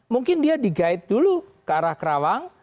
mungkin dia di guide dulu ke arah kerawang